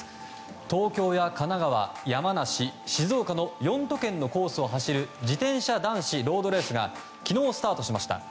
東京や神奈川、山梨静岡の４都県のコースを走る自転車男子ロードレースが昨日スタートしました。